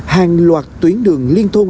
hàng loạt tuyến đường liên thôn